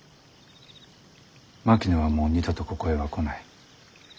槙野はもう二度とここへは来ない。